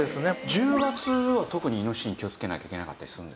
１０月は特にイノシシに気をつけなきゃいけなかったりするんですか？